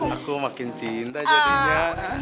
aku makin cinta jadinya